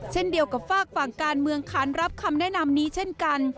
เช่นเดียวกับฝากฝั่งการเมืองขานรับคำแนะนำนี้เช่นกัน